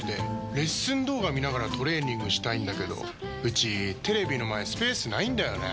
レッスン動画見ながらトレーニングしたいんだけどうちテレビの前スペースないんだよねー。